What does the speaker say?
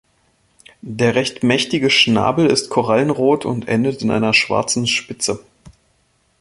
Der recht mächtige Schnabel ist korallenrot und endet in einer schwarzen Spitze.